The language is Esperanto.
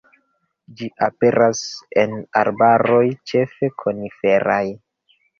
Ĝi aperas en arbaroj ĉefe koniferaj.